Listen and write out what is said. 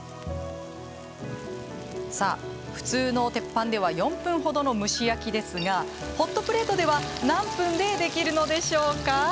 さあ、普通の鉄板では４分程の蒸し焼きですがホットプレートでは何分で、できるのでしょうか？